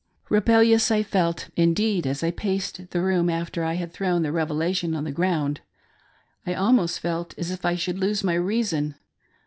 Rebellious I felt, indeed, as I paced the room after I had thrown the Revelation on the ground : I almost felt as if I should lose my reason.